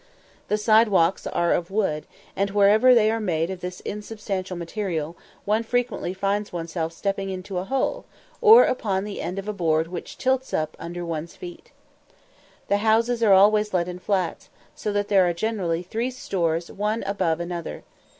The side walks are of wood, and, wherever they are made of this unsubstantial material, one frequently finds oneself stepping into a hole, or upon the end of a board which tilts up under one's feet. The houses are always let in flats, so that there are generally three stores one above another.